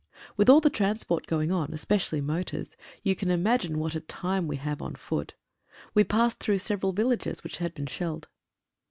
With all the transport going on, especially motors, you can imagine what a time we have on foot. We passed through several villages which had been shelled.